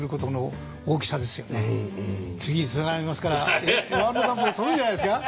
次につながりますからワールドカップで取るんじゃないですか？